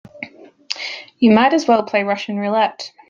You might as well play Russian roulette.